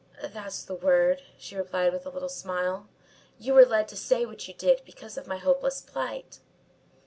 "That's the word," she replied with a little smile. "You were led to say what you did because of my hopeless plight."